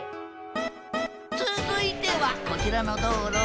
続いてはこちらの道路。